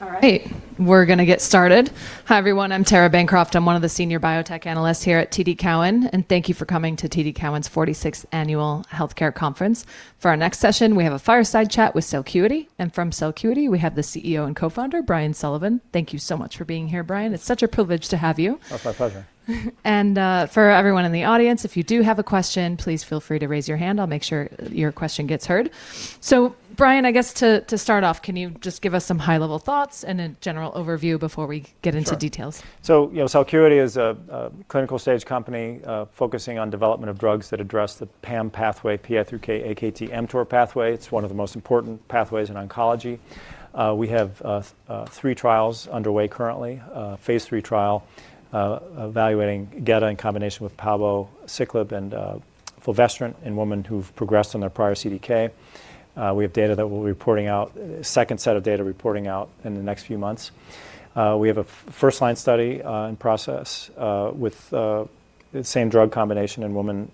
All right. We're gonna get started. Hi, everyone. I'm Tara Bancroft. I'm one of the Senior Biotech Analysts here at TD Cowen. Thank you for coming to TD Cowen's 46th Annual Healthcare Conference. For our next session, we have a fireside chat with Celcuity. From Celcuity, we have the CEO and Co-Founder, Brian Sullivan. Thank you so much for being here, Brian. It's such a privilege to have you. Oh, my pleasure. For everyone in the audience, if you do have a question, please feel free to raise your hand. I'll make sure your question gets heard. Brian, I guess to start off, can you just give us some high-level thoughts and a general overview before we, Sure get into details? You know, Celcuity is a clinical-stage company, focusing on development of drugs that address the PAM pathway, PI3K/AKT/mTOR pathway. It's one of the most important pathways in oncology. We have three trials underway currently. We have a Phase 3 trial, evaluating Gedatolisib in combination with palbociclib and fulvestrant in women who've progressed on their prior CDK. We have data that we'll be reporting out, a second set of data reporting out in the next few months. We have a first line study, in process, with the same drug combination in women,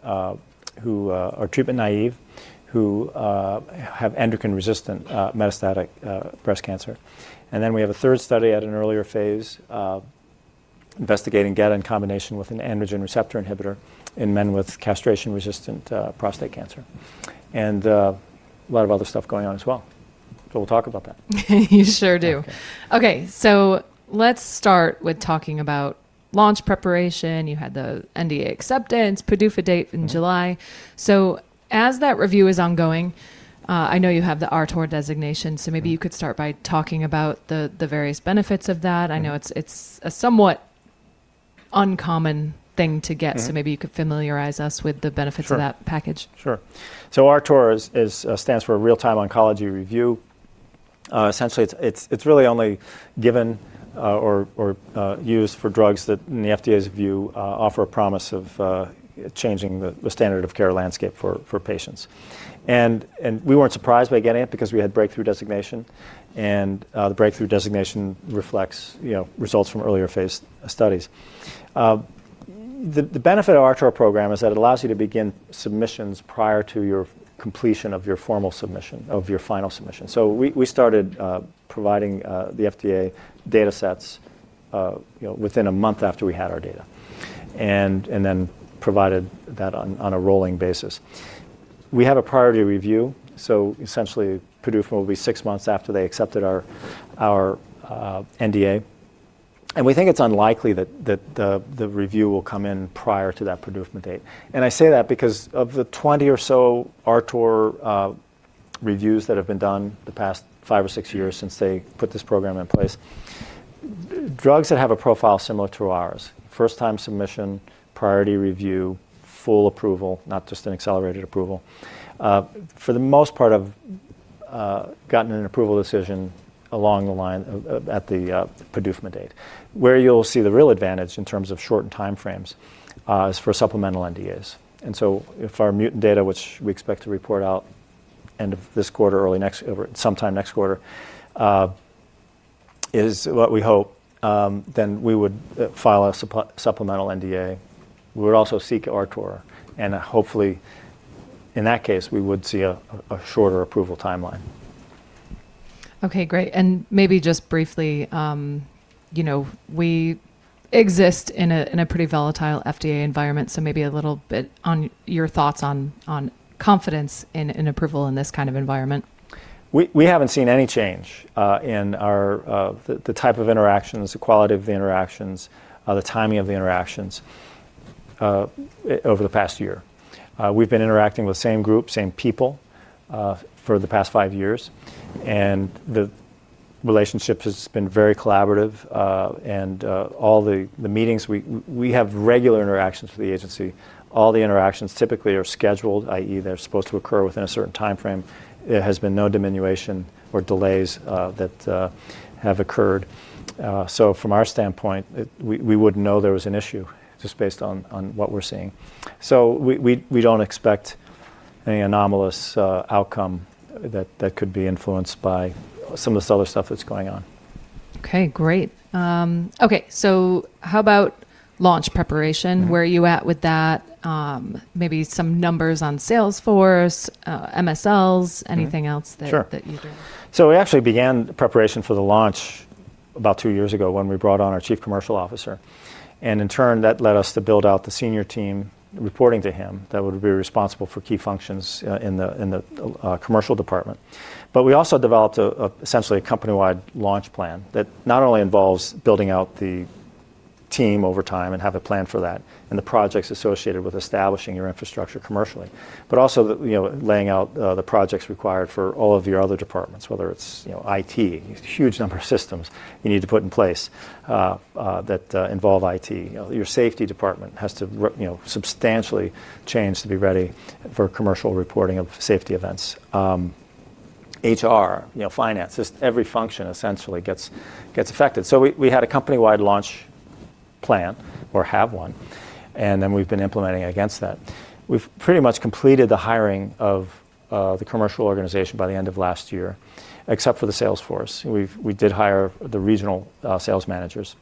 who are treatment naive, who have endocrine-resistant metastatic breast cancer. We have a third study at an earlier phase, investigating Gedatolisib in combination with an androgen receptor inhibitor in men with castration-resistant prostate cancer. A lot of other stuff going on as well, but we'll talk about that. You sure do. Okay. Let's start with talking about launch preparation. You had the NDA acceptance, PDUFA date in July. As that review is ongoing, I know you have the RTOR designation, maybe you could start by talking about the various benefits of that? Yeah. I know it's a somewhat uncommon thing to get. Mm-hmm. maybe you could familiarize us with the benefits- Sure of that package. Sure. RTOR is stands for Real-Time Oncology Review. Essentially, it's really only given or used for drugs that, in the FDA's view, offer a promise of changing the standard of care landscape for patients. We weren't surprised by getting it because we had Breakthrough designation, and the Breakthrough designation reflects, you know, results from earlier phase studies. The benefit of RTOR program is that it allows you to begin submissions prior to your completion of your formal submission, of your final submission. We started providing the FDA datasets, you know, within one month after we had our data, and then provided that on a rolling basis. We have a priority review. Essentially PDUFA will be six months after they accepted our NDA. We think it's unlikely that the review will come in prior to that PDUFA date. I say that because of the 20 or so RTOR reviews that have been done the past five or six years since they put this program in place, drugs that have a profile similar to ours, first-time submission, priority review, full approval, not just an Accelerated Approval, for the most part have gotten an approval decision along the line of at the PDUFA date. Where you'll see the real advantage in terms of shortened timeframes is for supplemental NDAs. If our mutant data, which we expect to report out end of this quarter, early next, or sometime next quarter, is what we hope, then we would file a supplemental NDA. We would also seek RTOR and hopefully in that case, we would see a shorter approval timeline. Okay, great. Maybe just briefly, you know, we exist in a, in a pretty volatile FDA environment, so maybe a little bit on your thoughts on confidence in approval in this kind of environment. We haven't seen any change in our the type of interactions, the quality of the interactions, the timing of the interactions over the past year. We've been interacting with the same group, same people for the past five years, and the relationship has been very collaborative. All the meetings, we have regular interactions with the agency. All the interactions typically are scheduled, i.e., they're supposed to occur within a certain timeframe. There has been no diminution or delays that have occurred. From our standpoint, we wouldn't know there was an issue just based on what we're seeing. We don't expect any anomalous outcome that could be influenced by some of this other stuff that's going on. Okay, great. Okay. How about launch preparation? Mm-hmm. Where are you at with that? Maybe some numbers on sales force, MSLs. Mm-hmm anything else. Sure That you're doing. We actually began preparation for the launch about two years ago when we brought on our chief commercial officer. In turn, that led us to build out the senior team reporting to him that would be responsible for key functions in the commercial department. We also developed essentially a company-wide launch plan that not only involves building out the team over time and have a plan for that, and the projects associated with establishing your infrastructure commercially, but also, you know, laying out the projects required for all of your other departments, whether it's, you know, IT. Huge number of systems you need to put in place that involve IT. You know, your safety department has to, you know, substantially change to be ready for commercial reporting of safety events. HR, you know, finance, just every function essentially gets affected. We had a company-wide launch plan, or have one, and then we've been implementing against that. We've pretty much completed the hiring of the commercial organization by the end of last year, except for the sales force. We did hire the regional sales managers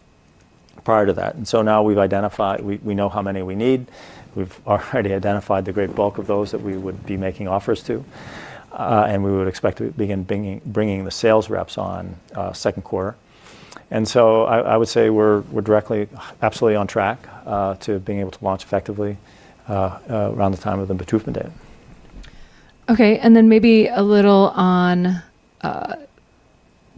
prior to that. Now we've identified, we know how many we need. We've already identified the great bulk of those that we would be making offers to. We would expect to begin bringing the sales reps on second quarter. I would say we're directly absolutely on track to being able to launch effectively around the time of the Gedatolisib. Okay. Maybe a little on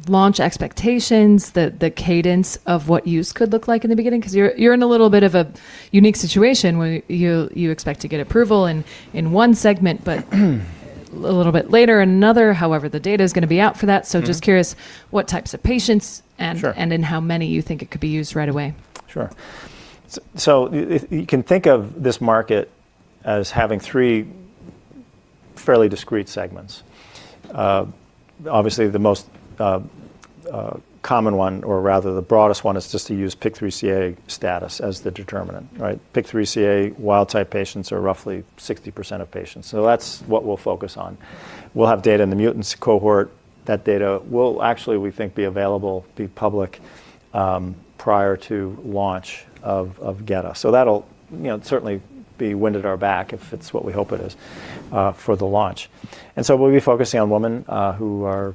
launch expectations, the cadence of what use could look like in the beginning. You're in a little bit of a unique situation where you expect to get approval in one segment. Hmm a little bit later another. However, the data is gonna be out for that. Mm-hmm. Just curious what types of patients? Sure And in how many you think it could be used right away. Sure. You can think of this market as having three fairly discrete segments. obviously the most common one, or rather the broadest one is just to use PIK3CA status as the determinant, right? PIK3CA wild type patients are roughly 60% of patients. That's what we'll focus on. We'll have data in the mutants cohort. That data will actually, we think, be available, be public, prior to launch of Gedatolisib. That'll, you know, certainly be wind at our back if it's what we hope it is, for the launch. We'll be focusing on women, who are,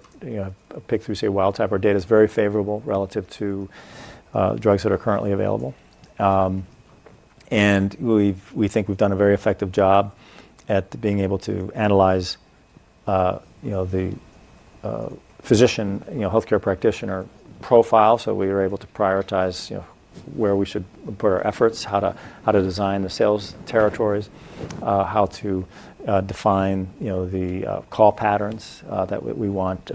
you know, PIK3CA wild type. Our data is very favorable relative to drugs that are currently available. We think we've done a very effective job at being able to analyze, you know, the physician, you know, healthcare practitioner profile. So we are able to prioritize, you know, where we should put our efforts, how to design the sales territories, how to define, you know, the call patterns that we want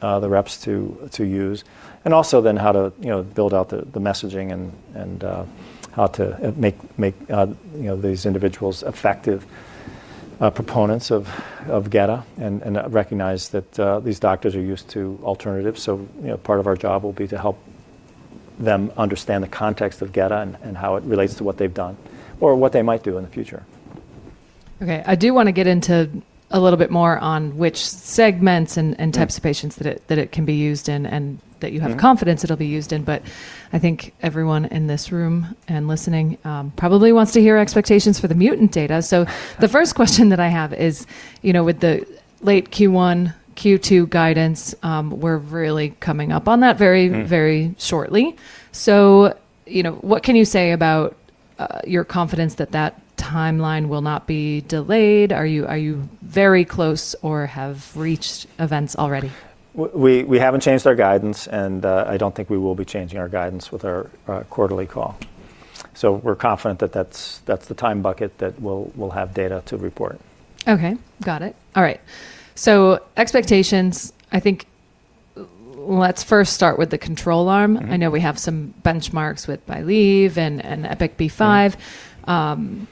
the reps to use. And also then how to, you know, build out the messaging and how to make these individuals effective proponents of Gedatolisib and recognize that these doctors are used to alternatives. So, you know, part of our job will be to help them understand the context of Gedatolisib and how it relates to what they've done or what they might do in the future. Okay. I do wanna get into a little bit more on which segments. Mm-hmm and types of patients that it can be used in, and that you have- Sure Confidence it'll be used in. I think everyone in this room and listening, probably wants to hear expectations for the mutant data. The first question that I have is, you know, with the late Q1, Q2 guidance, we're really coming up on that very- Mm-hmm Very shortly. You know, what can you say about your confidence that that timeline will not be delayed? Are you very close or have reached events already? We haven't changed our guidance, and I don't think we will be changing our guidance with our quarterly call. We're confident that that's the time bucket that we'll have data to report. Okay. Got it. All right. Expectations, I think let's first start with the control arm. Mm-hmm. I know we have some benchmarks with BYLieve and EPIK-B5. Mm-hmm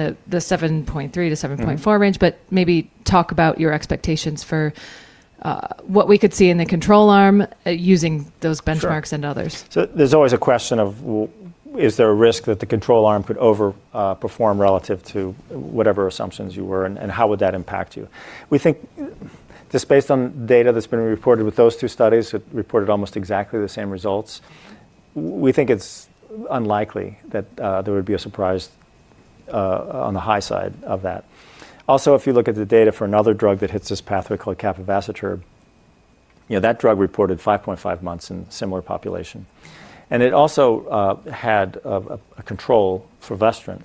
in the 7.3-7.4 range. Mm-hmm. Maybe talk about your expectations for, what we could see in the control arm, using those benchmarks? Sure others. There's always a question of is there a risk that the control arm could over perform relative to whatever assumptions you were and how would that impact you? We think just based on data that's been reported with those two studies that reported almost exactly the same results. Mm-hmm We think it's unlikely that there would be a surprise on the high side of that. If you look at the data for another drug that hits this pathway called Capivasertib, you know, that drug reported 5.5 months in similar population. It also had a control fulvestrant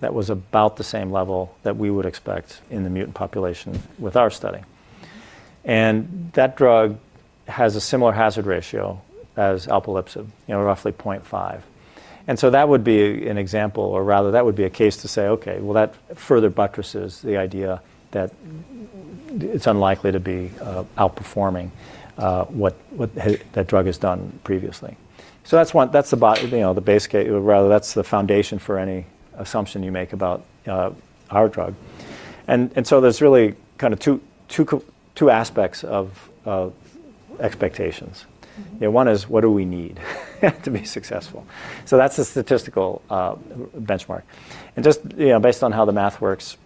that was about the same level that we would expect in the mutant population with our study. That drug has a similar hazard ratio as alpelisib, you know, roughly 0.5. That would be an example or rather that would be a case to say, "Okay, well, that further buttresses the idea that it's unlikely to be outperforming what that drug has done previously." That's one, that's about, you know, the foundation for any assumption you make about our drug. There's really kind of two aspects of expectations. Mm-hmm. You know, one is what do we need to be successful? That's the statistical benchmark. Just, you know, based on how the math works,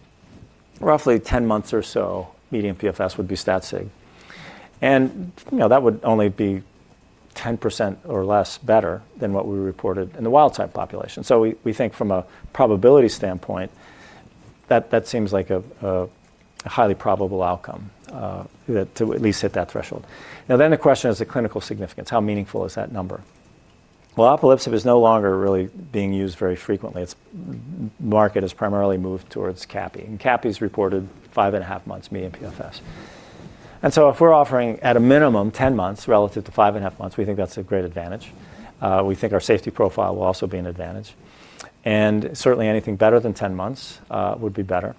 roughly 10 months or so, median PFS would be stat sig. You know, that would only be 10% or less better than what we reported in the wild type population. We, we think from a probability standpoint, that seems like a, a highly probable outcome, yeah, to at least hit that threshold. Then the question is the clinical significance. How meaningful is that number? Well, alpelisib is no longer really being used very frequently. Its market has primarily moved towards Capi, and Capi's reported 5.5 months mean in PFS. If we're offering at a minimum 10 months relative to 5.5 months, we think that's a great advantage. We think our safety profile will also be an advantage. Certainly anything better than 10 months would be better.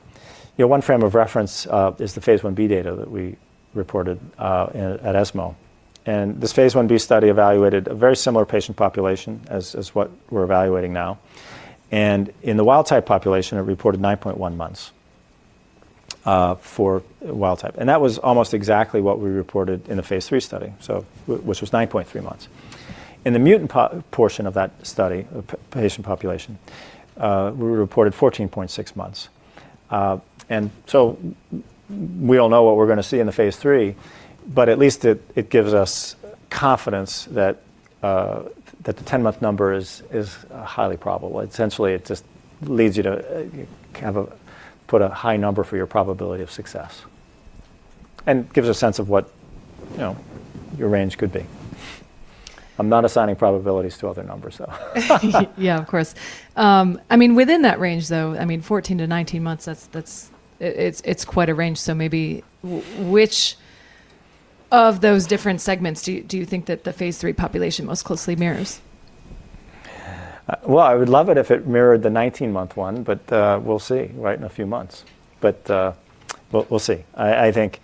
You know, one frame of reference is the phase 1B data that we reported at ESMO. This phase 1B study evaluated a very similar patient population as what we're evaluating now. In the wild type population, it reported 9.1 months for wild type. That was almost exactly what we reported in the phase III study, which was 9.3 months. In the mutant portion of that study, patient population, we reported 14.6 months. We all know what we're gonna see in the phase III, but at least it gives us confidence that the 10-month number is highly probable. Essentially, it just leads you to kind of put a high number for your probability of success and gives a sense of what, you know, your range could be. I'm not assigning probabilities to other numbers, though. Yeah, of course. I mean, within that range, though, I mean, 14 to 19 months, that's, it's quite a range, so maybe which of those different segments do you think that the phase III population most closely mirrors? Well, I would love it if it mirrored the 19-month one, but, we'll see, right, in a few months. We'll see. I think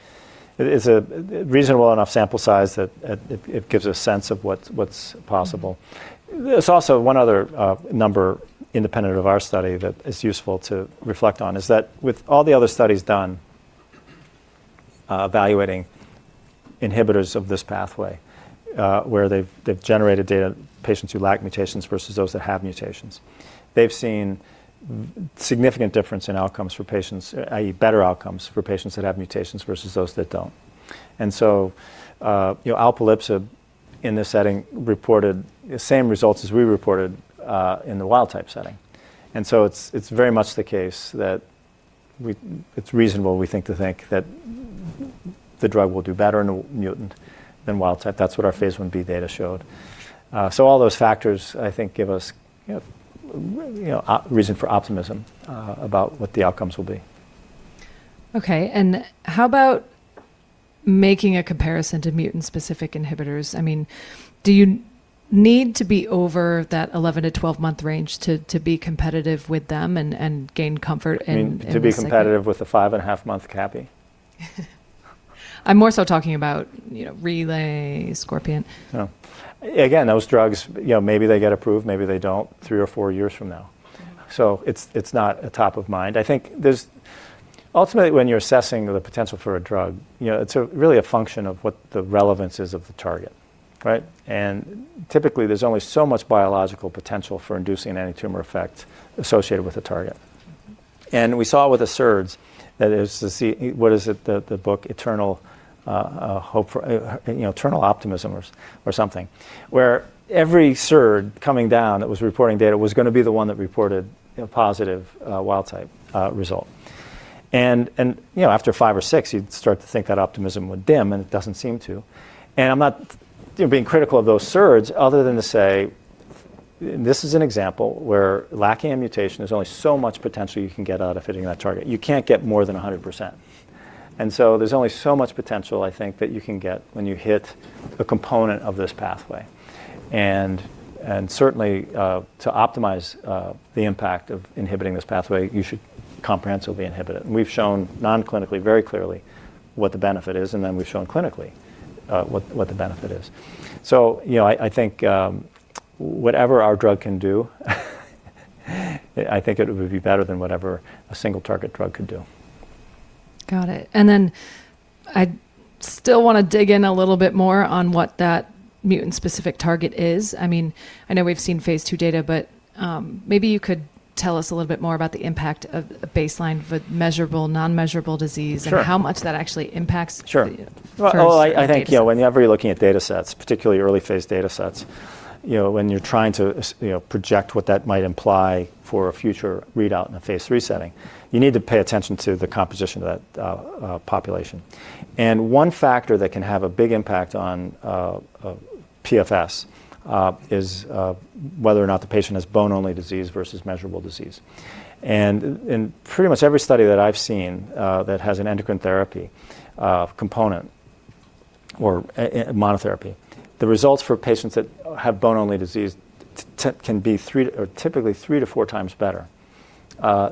it is a reasonable enough sample size that it gives a sense of what's possible. Mm-hmm. There's also one other number independent of our study that is useful to reflect on is that with all the other studies done, evaluating inhibitors of this pathway, where they've generated data, patients who lack mutations versus those that have mutations. They've seen significant difference in outcomes for patients, i.e., better outcomes for patients that have mutations versus those that don't. You know, alpelisib in this setting reported the same results as we reported in the wild-type setting. It's very much the case that it's reasonable, we think, to think that the drug will do better in a mutant than wild type. That's what our phase 1B data showed. So all those factors, I think, give us, you know, reason for optimism about what the outcomes will be. Okay, how about making a comparison to mutant-specific inhibitors? I mean, do you need to be over that 11-12 month range to be competitive with them and gain comfort in the second-? You mean to be competitive with the five-and-a-half month Capivasertib? I'm more so talking about, you know, Relay, Scorpion. Oh. Again, those drugs, you know, maybe they get approved, maybe they don't three or four years from now. Mm-hmm. It's not a top of mind. I think there's. Ultimately, when you're assessing the potential for a drug, you know, it's a really a function of what the relevance is of the target, right? Typically, there's only so much biological potential for inducing an antitumor effect associated with a target. We saw with the SERDs, that is to see... What is it? The book, Eternal, you know, Eternal Optimism or something, where every SERD coming down that was reporting data was gonna be the one that reported a positive, wild type, result. You know, after five or six, you'd start to think that optimism would dim, and it doesn't seem to. I'm not, you know, being critical of those SERDs other than to say this is an example where lacking a mutation, there's only so much potential you can get out of hitting that target. You can't get more than 100%. There's only so much potential, I think, that you can get when you hit a component of this pathway. Certainly, to optimize the impact of inhibiting this pathway, you should comprehensively inhibit it. We've shown non-clinically very clearly what the benefit is, then we've shown clinically what the benefit is. You know, I think whatever our drug can do, I think it would be better than whatever a single target drug could do. Got it. I still wanna dig in a little bit more on what that mutant-specific target is. I mean, I know we've seen phase II data, but maybe you could tell us a little bit more about the impact of baseline with measurable, non-measurable disease. Sure how much that actually impacts- Sure The first three phases. I think, you know, whenever you're looking at data sets, particularly early phase data sets, you know, when you're trying to project what that might imply for a future readout in a phase III setting, you need to pay attention to the composition of that population. One factor that can have a big impact on PFS is whether or not the patient has bone-only disease versus measurable disease. In pretty much every study that I've seen that has an endocrine therapy component or monotony, the results for patients that have bone-only disease can be three or typically three to four times better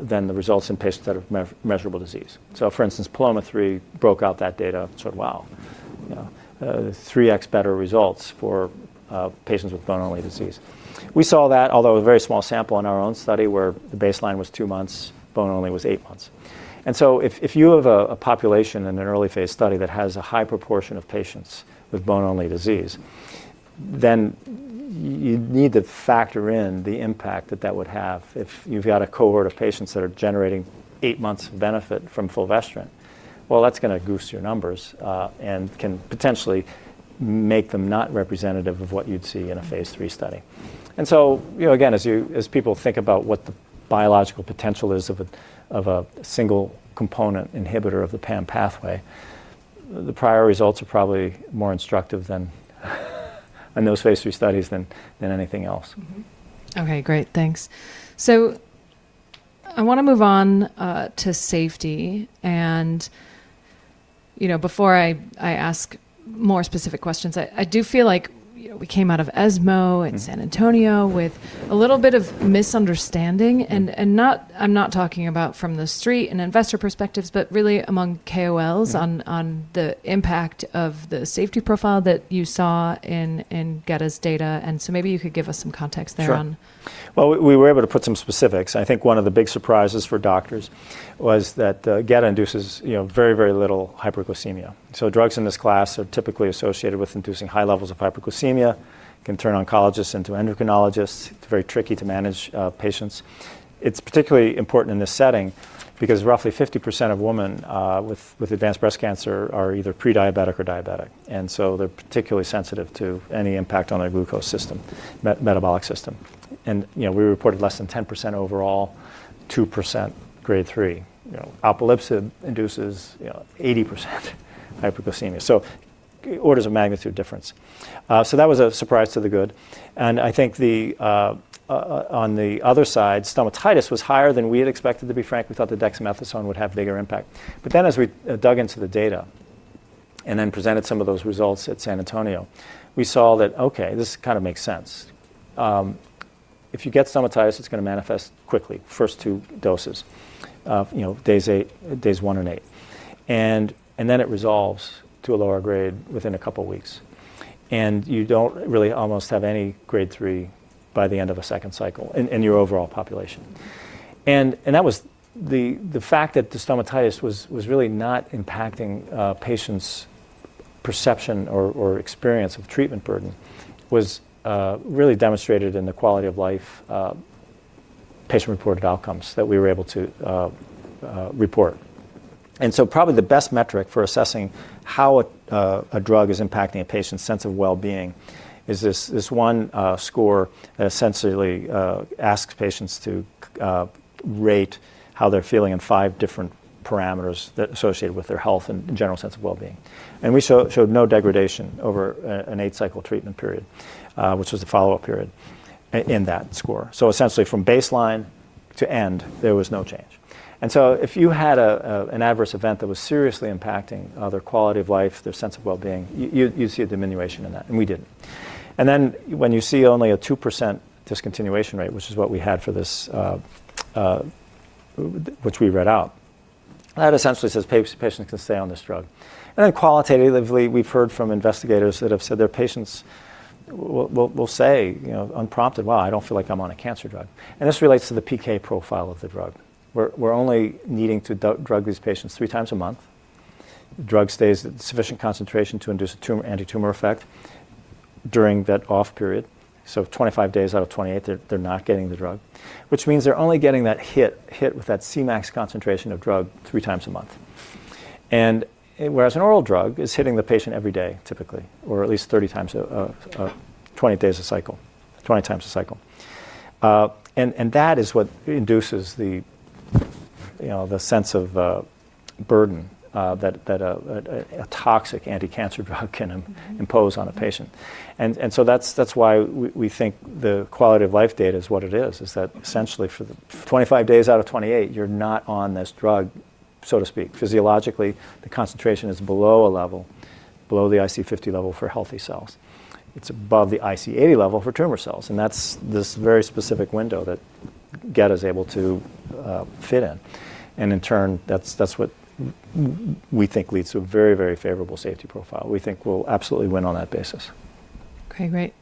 than the results in patients that have measurable disease. For instance, PALOMA-3 broke out that data and said, "Wow," you know, "3x better results for patients with bone-only disease." We saw that, although a very small sample in our own study where the baseline was two months, bone-only was eight months. If you have a population in an early phase study that has a high proportion of patients with bone-only disease, then you need to factor in the impact that that would have. If you've got a cohort of patients that are generating eight months of benefit from fulvestrant, well, that's gonna goose your numbers and can potentially make them not representative of what you'd see in a phase III study. You know, again, as people think about what the biological potential is of a, of a single component inhibitor of the PAM pathway, the prior results are probably more instructive than in those phase III studies than anything else. Okay, great. Thanks. I wanna move on to safety. you know, before I ask more specific questions, I do feel like we came out of ESMO. Mm-hmm In San Antonio with a little bit of misunderstanding and not. I'm not talking about from the street and investor perspectives, but really among KOLs. Mm-hmm on the impact of the safety profile that you saw in getta's data, maybe you could give us some context there. Sure. Well, we were able to put some specifics. I think one of the big surprises for doctors was that Gedatolisib induces, you know, very, very little hyperglycemia. Drugs in this class are typically associated with inducing high levels of hyperglycemia, can turn oncologists into endocrinologists. It's very tricky to manage patients. It's particularly important in this setting because roughly 50% of women with advanced breast cancer are either pre-diabetic or diabetic, they're particularly sensitive to any impact on their glucose system, metabolic system. You know, we reported less than 10% overall, 2% Grade 3. You know, alpelisib induces, you know, 80% hyperglycemia. Orders of magnitude difference. That was a surprise to the good. I think the on the other side, stomatitis was higher than we had expected it to be. Frank, we thought the dexamethasone would have bigger impact. As we dug into the data and then presented some of those results at San Antonio, this kind of makes sense. If you get stomatitis, it's gonna manifest quickly, first two doses, you know, days eight, days one and eight. It resolves to a lower grade within a couple of weeks. You don't really almost have any Grade 3 by the end of a second cycle in your overall population. That was the fact that the stomatitis was really not impacting patients' perception or experience of treatment burden was really demonstrated in the quality of life, patient-reported outcomes that we were able to report. Probably the best metric for assessing how a drug is impacting a patient's sense of wellbeing is this one score that essentially asks patients to rate how they're feeling in five different parameters that are associated with their health and general sense of wellbeing. We showed no degradation over an eight-cycle treatment period, which was the follow-up period in that score. Essentially, from baseline to end, there was no change. If you had an adverse event that was seriously impacting their quality of life, their sense of wellbeing, you'd see a diminution in that, and we didn't. When you see only a 2% discontinuation rate, which is what we had for this, which we read out, that essentially says patients can stay on this drug. Qualitatively, we've heard from investigators that have said their patients will say, you know, unprompted, "Wow, I don't feel like I'm on a cancer drug." This relates to the PK profile of the drug. We're only needing to drug these patients three times a month. The drug stays at sufficient concentration to induce a tumor, anti-tumor effect during that off period. 25 days out of 28, they're not getting the drug, which means they're only getting that hit with that Cmax concentration of drug three times a month. Whereas an oral drug is hitting the patient every day, typically, or at least 30 times 20 days a cycle. 20 times a cycle. That is what induces the, you know, the sense of burden that a toxic anticancer drug can impose on a patient. That's why we think the quality of life data is what it is that essentially for the 25 days out of 28, you're not on this drug, so to speak. Physiologically, the concentration is below a level, below the IC50 level for healthy cells. It's above the IC80 level for tumor cells, and that's this very specific window that Getta is able to fit in. That's what we think leads to a very, very favorable safety profile. We think we'll absolutely win on that basis. Okay, great.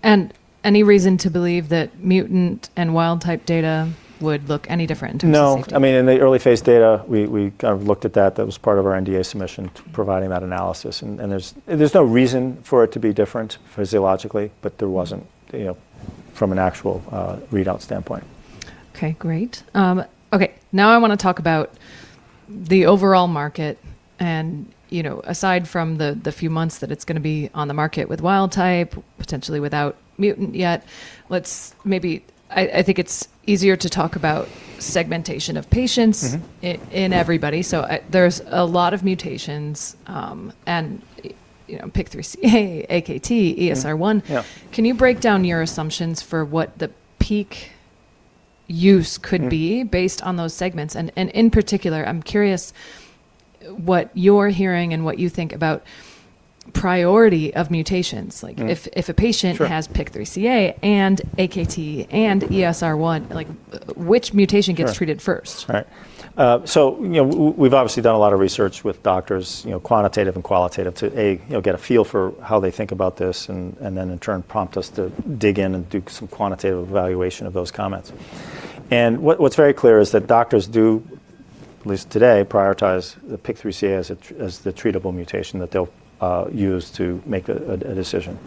Any reason to believe that mutant and wild type data would look any different in terms of safety? No. I mean, in the early phase data, we kind of looked at that. That was part of our NDA submission to providing that analysis. There's no reason for it to be different physiologically, but there wasn't, you know, from an actual readout standpoint. Okay, great. Okay, now I wanna talk about the overall market and, you know, aside from the few months that it's gonna be on the market with Wildtype, potentially without mutant yet, I think it's easier to talk about segmentation of patients. Mm-hmm in everybody. There's a lot of mutations, and, you know, PIK3CA, AKT, ESR1. Yeah. Can you break down your assumptions for what the peak use could be? Mm-hmm Based on those segments? In particular, I'm curious what you're hearing and what you think about priority of mutations. Like if... Mm-hmm If a Sure Has PIK3CA and AKT and ESR1, like, which mutation. Sure Treated first? Right. So, you know, we've obviously done a lot of research with doctors, you know, quantitative and qualitative to, A, you know, get a feel for how they think about this, and then in turn prompt us to dig in and do some quantitative evaluation of those comments. What's very clear is that doctors do, at least today, prioritize the PIK3CA as the treatable mutation that they'll use to make a decision.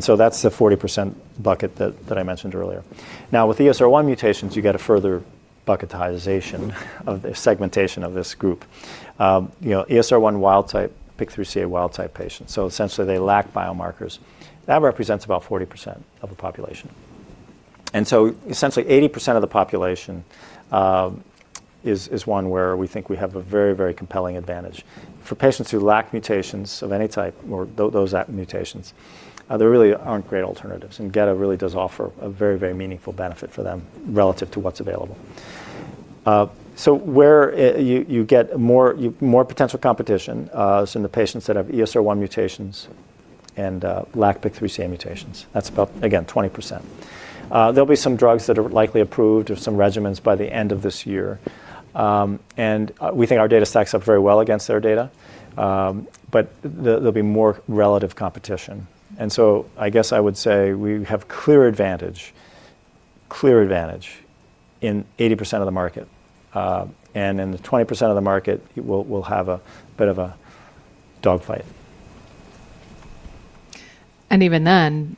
So that's the 40% bucket that I mentioned earlier. Now, with ESR1 mutations, you get a further bucketization of the segmentation of this group. You know, ESR1 wild type, PIK3CA wild type patients, so essentially they lack biomarkers. That represents about 40% of the population. Essentially 80% of the population is one where we think we have a very, very compelling advantage. For patients who lack mutations of any type or those AKT mutations, there really aren't great alternatives, and Gedatolisib really does offer a very, very meaningful benefit for them relative to what's available. Where you get more potential competition is in the patients that have ESR1 mutations and lack PIK3CA mutations. That's about, again, 20%. There'll be some drugs that are likely approved or some regimens by the end of this year. We think our data stacks up very well against their data. There'll be more relative competition. I guess I would say we have clear advantage in 80% of the market. In the 20% of the market, we'll have a bit of a dogfight. Even then,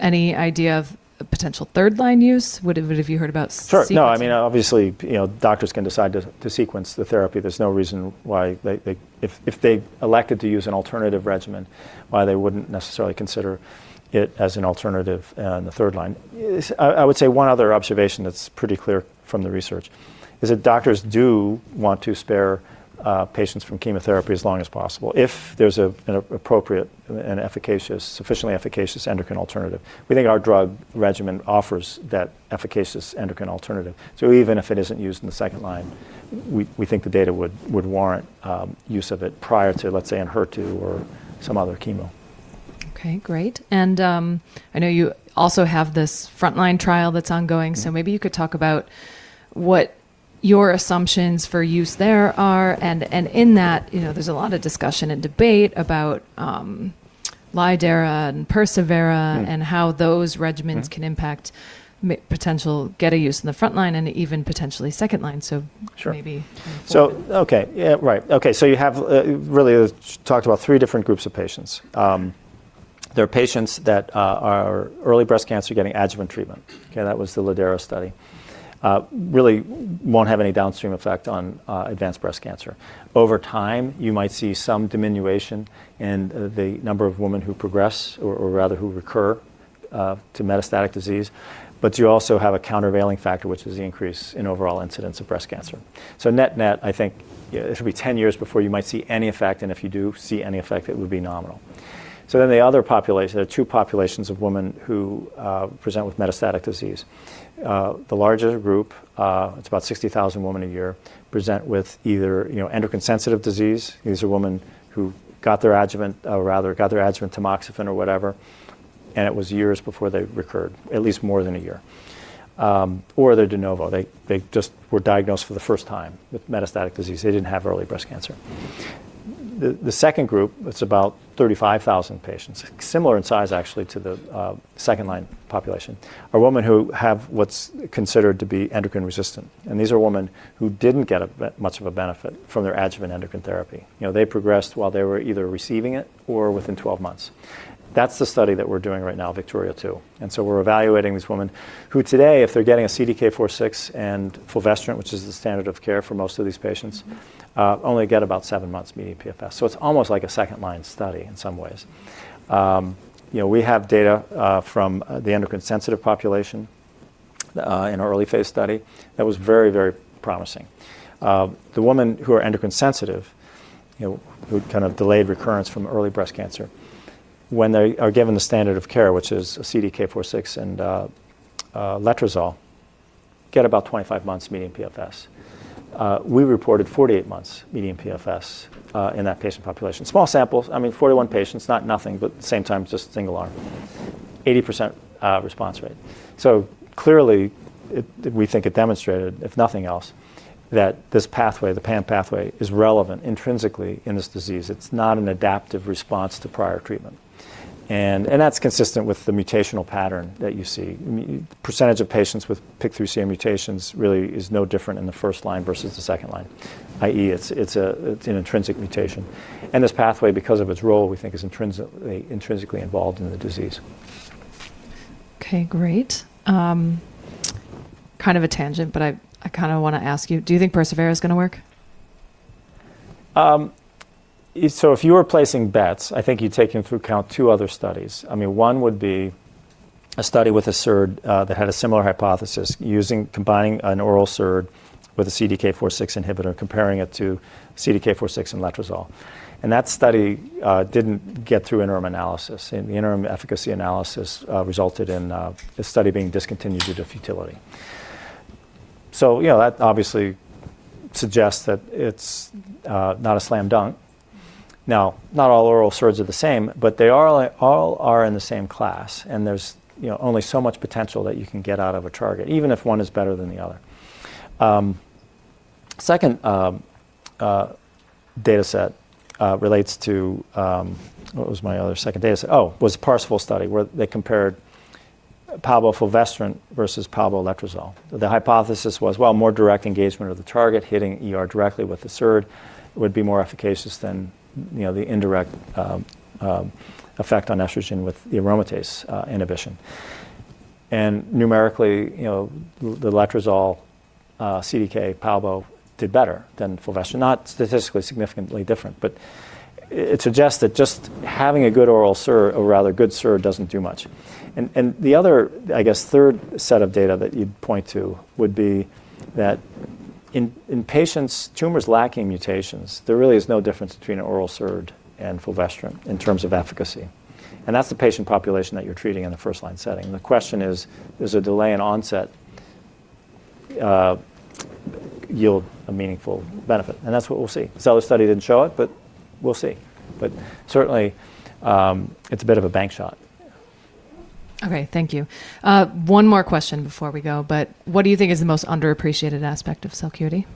any idea of a potential third-line use? Would have you heard about Sure. No, I mean, obviously, you know, doctors can decide to sequence the therapy. There's no reason why they if they elected to use an alternative regimen, why they wouldn't necessarily consider it as an alternative in the third line. Yes, I would say one other observation that's pretty clear from the research is that doctors do want to spare patients from chemotherapy as long as possible if there's an appropriate and efficacious, sufficiently efficacious endocrine alternative. We think our drug regimen offers that efficacious endocrine alternative. Even if it isn't used in the second line, we think the data would warrant use of it prior to, let's say, an HER2 or some other chemo. Okay, great. I know you also have this frontline trial that's ongoing. Mm-hmm. maybe you could talk about what your assumptions for use there are, and in that, you know, there's a lot of discussion and debate about, lidERA and persevERA. Mm-hmm and how those regimens- Mm-hmm Can impact potential get a use in the frontline and even potentially second line. Sure Important. Okay. Yeah, right. You have really talked about 3 different groups of patients. There are patients that are early breast cancer getting adjuvant treatment. That was the lidERA study. Really won't have any downstream effect on advanced breast cancer. Over time, you might see some diminution in the number of women who progress or rather who recur to metastatic disease, but you also have a countervailing factor, which is the increase in overall incidence of breast cancer. Net-net, I think, it'll be 10 years before you might see any effect, and if you do see any effect, it would be nominal. The other population, there are 2 populations of women who present with metastatic disease. The larger group, it's about 60,000 women a year, present with either, you know, endocrine-sensitive disease. These are women who got their adjuvant or rather got their adjuvant tamoxifen or whatever, and it was years before they recurred, at least more than a year. Or they're de novo. They just were diagnosed for the first time with metastatic disease. They didn't have early breast cancer. The second group, it's about 35,000 patients, similar in size, actually, to the second line population, are women who have what's considered to be endocrine-resistant. These are women who didn't get much of a benefit from their adjuvant endocrine therapy. You know, they progressed while they were either receiving it or within 12 months. That's the study that we're doing right now, VIKTORIA-2. We're evaluating these women who today, if they're getting a CDK4/6 and fulvestrant, which is the standard of care for most of these patients- Mm-hmm Only get about seven months median PFS. It's almost like a second-line study in some ways. You know, we have data from the endocrine-sensitive population in an early-phase study that was very, very promising. The women who are endocrine sensitive, you know, who kind of delayed recurrence from early breast cancer, when they are given the standard of care, which is CDK4/6 and letrozole, get about 25 months median PFS. We reported 48 months median PFS in that patient population. Small samples, I mean, 41 patients, not nothing, but at the same time, just single arm. 80% response rate. Clearly, we think it demonstrated, if nothing else, that this pathway, the PAM pathway, is relevant intrinsically in this disease. It's not an adaptive response to prior treatment. That's consistent with the mutational pattern that you see. I mean, the percentage of patients with PIK3CA mutations really is no different in the first line versus the second line, i.e., it's a, it's an intrinsic mutation. This pathway, because of its role, we think is intrinsically involved in the disease. Okay, great. kind of a tangent, I kinda wanna ask you, do you think persevERA is gonna work? So if you were placing bets, I think you'd take into account two other studies. I mean, one would be a study with a SERD that had a similar hypothesis combining an oral SERD with a CDK4/6 inhibitor, comparing it to CDK4/6 and letrozole. That study didn't get through interim analysis, and the interim efficacy analysis resulted in the study being discontinued due to futility. You know, that obviously suggests that it's not a slam dunk. Mm-hmm. Not all oral SERDs are the same, but they all are in the same class, and there's, you know, only so much potential that you can get out of a target, even if one is better than the other. Second dataset relates to What was my other second dataset? was PARSIFAL study where they compared palbociclib and fulvestrant versus palbociclib and letrozole. The hypothesis was, well, more direct engagement of the target, hitting ER directly with the SERD would be more efficacious than, you know, the indirect effect on estrogen with the aromatase inhibition. Numerically, you know, the letrozole CDK palbo did better than fulvestrant. Not statistically significantly different, but it suggests that just having a good oral or rather a good SERD doesn't do much. The other, I guess, third set of data that you'd point to would be that in patients' tumors lacking mutations, there really is no difference between an oral SERD and fulvestrant in terms of efficacy, and that's the patient population that you're treating in the first line setting. The question is, does the delay in onset yield a meaningful benefit? That's what we'll see. SOLAR-1 study didn't show it, we'll see. Certainly, it's a bit of a bank shot. Okay, thank you. 1 more question before we go, what do you think is the most underappreciated aspect of Celcuity?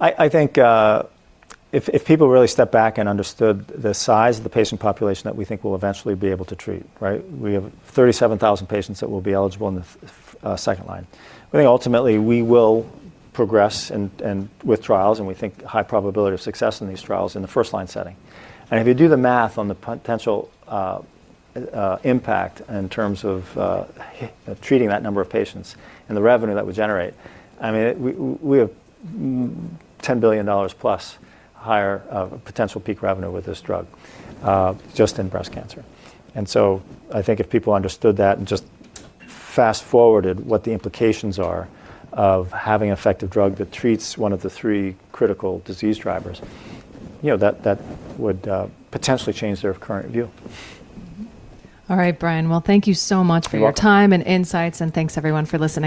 I think if people really step back and understood the size of the patient population that we think we'll eventually be able to treat, right? We have 37,000 patients that will be eligible in the second line. I think ultimately we will progress and with trials, and we think high probability of success in these trials in the first line setting. If you do the math on the potential impact in terms of treating that number of patients and the revenue that would generate, I mean, we have $10 billion plus higher of potential peak revenue with this drug just in breast cancer. I think if people understood that and just fast-forwarded what the implications are of having effective drug that treats one of the three critical disease drivers, you know, that would potentially change their current view. All right, Brian. Thank you so much for your time. You're welcome. And insights, and thanks everyone for listening.